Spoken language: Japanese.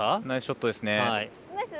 ナイスショットですね。